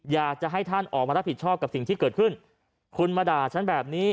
อยากจะให้ท่านออกมารับผิดชอบกับสิ่งที่เกิดขึ้นคุณมาด่าฉันแบบนี้